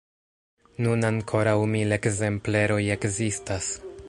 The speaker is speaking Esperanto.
Nun ankoraŭ mil ekzempleroj ekzistas.